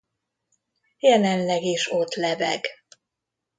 Jelenleg is ott lebeg.